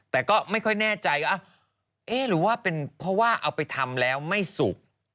แต่ก็ไม่ค่อยแน่ใจว่าเอ๊ะหรือว่าเป็นเพราะว่าเอาไปทำแล้วไม่สุก